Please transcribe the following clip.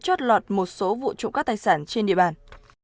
chót lọt một số vụ trộm cắp tài sản trên địa bàn